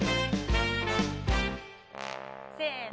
せの。